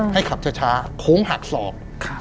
ให้ขับช้าโขงหักศอก